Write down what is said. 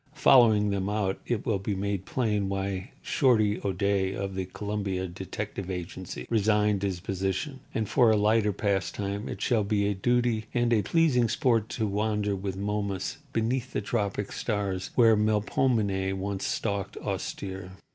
Following them out it will be made plain why "Shorty" O'Day, of the Columbia Detective Agency, resigned his position. And, for a lighter pastime, it shall be a duty and a pleasing sport to wander with Momus beneath the tropic stars where Melpomene once stalked austere.